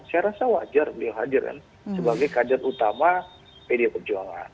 saya rasa wajar beliau hadir kan sebagai kader utama pd perjuangan